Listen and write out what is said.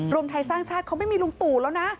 รวมไทยสร้างชาติเขาไม่มีลุงตู่แล้วนะ